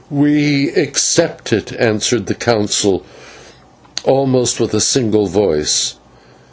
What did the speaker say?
"We accept it," answered the Council almost with one voice.